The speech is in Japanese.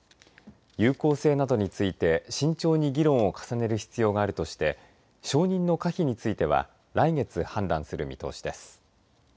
有効性などについて慎重に議論を重ねる必要があるとして承認の可否については来月、判断する見通しです。